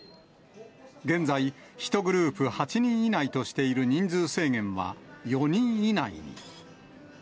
現在、１グループ８人以内としている人数制限は４人以内に。